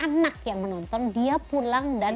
anak yang menonton dia pulang dan